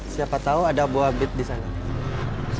siapa tau ada buah beet disana